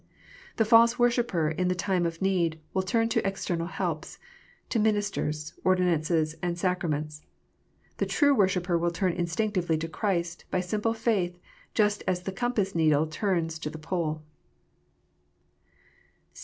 The false worshipper in the time of need will turn to external helps, to ministers, ordinances, and sacraments. The true worshipper will turn instinctively to Christ by simple faith, just as the compass needle turns to the pole.